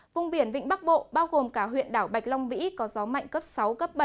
vùng biển vịnh bắc bộ bao gồm cả huyện đảo bạch long vĩ có gió mạnh cấp sáu cấp bảy